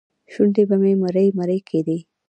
شونډې به مې مرۍ مرۍ کېدې.